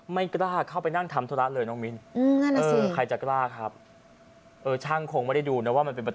ไม่กล้าเข้าไปนั่งทำธุระเลยน้องมิน